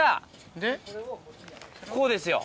こうですよ。